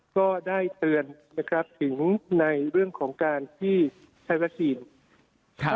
ก็ได้เตือนนะครับถึงในเรื่องของการที่ใช้วัคซีนครับ